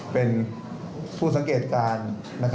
เป็นผู้สังเกตการณ์